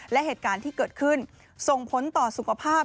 และเหตุการณ์ที่เกิดขึ้นส่งผลต่อสุขภาพ